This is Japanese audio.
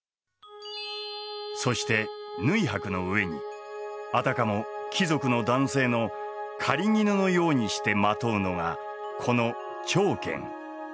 そして縫箔の上にあたかも貴族の男性の狩衣のようにしてまとうのがこの長絹。